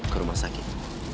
ke rumah sakit